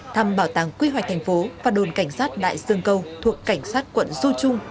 thăm bảo tàng quy hoạch thành phố và đồn cảnh sát đại dương câu thuộc cảnh sát quận dô trung